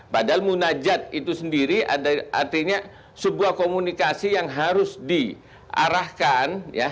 padahal munajat itu sendiri artinya sebuah komunikasi yang harus diarahkan